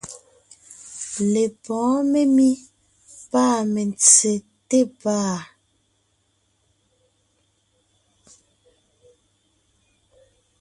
Lepɔ̌ɔn memí pâ mentse té pàa.